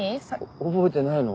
覚えてないの？